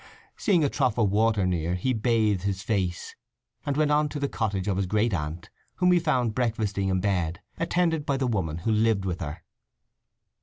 Seeing a trough of water near he bathed his face, and went on to the cottage of his great aunt, whom he found breakfasting in bed, attended by the woman who lived with her.